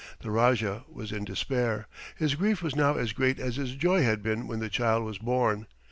The Rajah was in despair. His grief was now as great as his joy had been when the child was born.